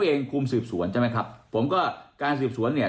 เองคุมสืบสวนใช่ไหมครับผมก็การสืบสวนเนี่ย